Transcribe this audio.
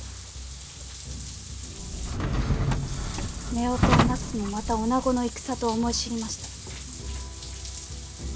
夫婦をなすもまたおなごの戦と思い知りました。